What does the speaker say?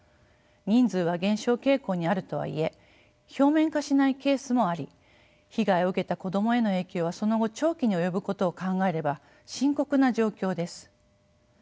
人数は減少傾向にあるとはいえ表面化しないケースもあり被害を受けた子どもへの影響はその後長期に及ぶことを考えれば深刻な状況です。